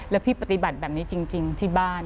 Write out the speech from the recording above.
แล้วพี่ปฏิบัติแบบนี้จริงที่บ้าน